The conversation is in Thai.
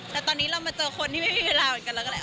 แต่ตอนนี้เรามาเจอคนที่ไม่มีเวลาเหมือนกันแล้วก็แหละ